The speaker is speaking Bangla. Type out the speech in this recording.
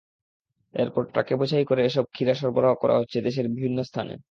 এরপর ট্রাকে বোঝাই করে এসব ক্ষীরা সরবরাহ করা হচ্ছে দেশের বিভিন্ন স্থানে।